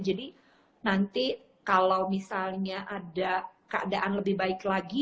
jadi nanti kalau misalnya ada keadaan lebih baik lagi